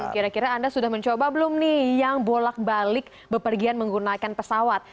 kira kira anda sudah mencoba belum nih yang bolak balik bepergian menggunakan pesawat